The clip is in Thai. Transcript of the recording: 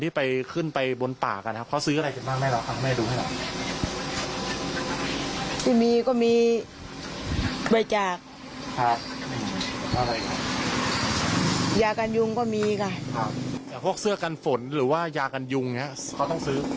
แต่พวกเสื้อกันฝนหรือว่ายากันยุงเนี่ยเขาต้องซื้อ